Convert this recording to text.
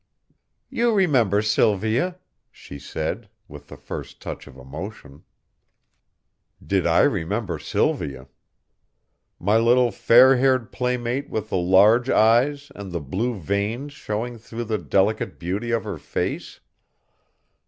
"You remember Sylvia?" she said, with the first touch of emotion. Did I remember Sylvia? My little fair haired playmate with the large eyes and the blue veins showing through the delicate beauty of her face?